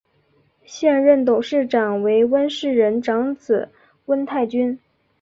现任董事长为温世仁长子温泰钧。